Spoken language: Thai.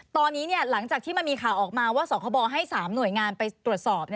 ตอนนี้หลังจากที่มันมีข่าวออกมาว่าสคบให้๓หน่วยงานไปตรวจสอบ